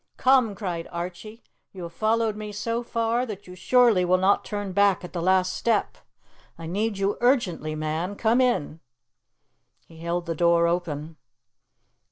"Come!" cried Archie. "You have followed me so far that you surely will not turn back at the last step. I need you urgently, man. Come in!" He held the door open.